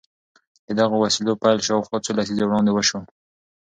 د دغو وسيلو پيل شاوخوا څو لسيزې وړاندې وشو.